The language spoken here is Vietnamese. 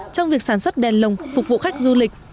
trong việc sản xuất đèn lồng phục vụ khách du lịch